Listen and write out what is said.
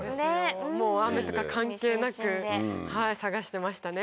もう雨とか関係なく探してましたね。